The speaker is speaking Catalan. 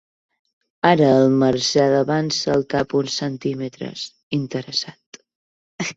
Ara el Marcel avança el cap uns centímetres, interessat.